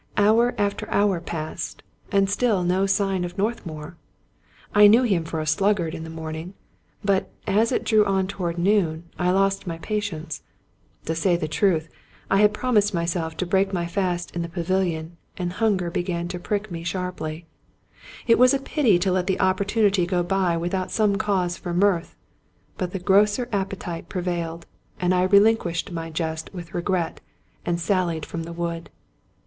Hour after hour passed, and still no sign of Northmour. I knew him for a sluggard in the morning; but, as it drew on toward noon, I lost my patience. To say the truth, I had promised myself to break my fast in the pavilion, and hunger began to prick me sharply. It was a pity to let the opportunity go by with out some cause for mirth ; but the grosser appetite prevailed, and I relinquished my jest with regret, and sallied from the wood.